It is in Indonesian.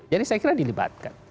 jadi saya kira dilibatkan